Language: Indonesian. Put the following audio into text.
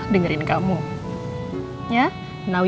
dan jangan lupa untuk senang senang